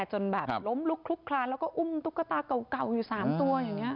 จนแบบล้มลุกคลุกคลานแล้วก็อุ้มตุ๊กตาเก่าอยู่๓ตัวอย่างนี้